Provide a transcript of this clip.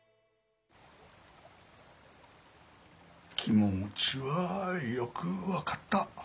気持ちはよく分かった。